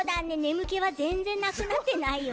むけはぜんぜんなくなってないよね。